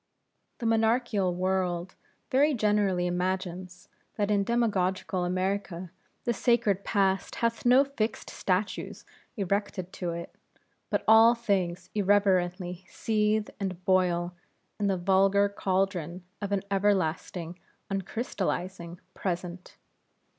The monarchical world very generally imagines, that in demagoguical America the sacred Past hath no fixed statues erected to it, but all things irreverently seethe and boil in the vulgar caldron of an everlasting uncrystalizing Present.